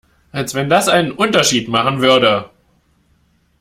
Als wenn das einen Unterschied machen würde!